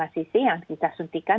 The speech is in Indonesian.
lima cc yang kita suntikan